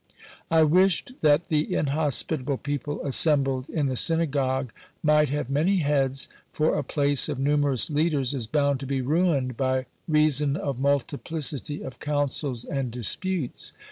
I wished that the inhospitable people assembled in the synagogue might have many heads, for a place of numerous leaders is bound to be ruined by reason of multiplicity of counsel and disputes.